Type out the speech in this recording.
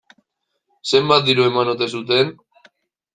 Zenbat diru eman ote zuten?